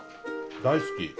大好き。